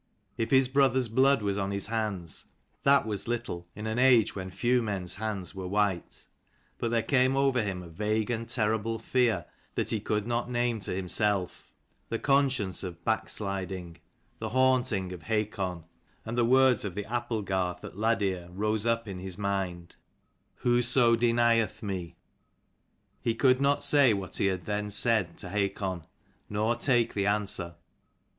If his brother's blood was on his hands, that was little in an age when few men's hands were white : but there came over him a vague and terrible fear that he could not name to himself, the conscience of backsliding, the haunting of Hakon ; and the words of the applegarth at Ladir rose up in his mind, 240 " Whoso denieth me." He could not say what he had then said to Hakon, nor take the answer.